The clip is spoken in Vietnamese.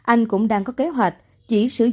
anh cũng đang có kế hoạch